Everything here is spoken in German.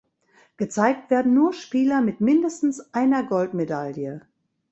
Gezeigt werden nur Spieler mit mindestens einer Goldmedaille.